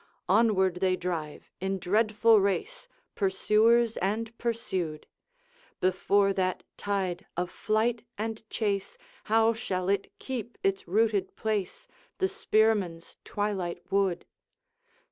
Onward they drive in dreadful race, Pursuers and pursued; Before that tide of flight and chase, How shall it keep its rooted place, The spearmen's twilight wood?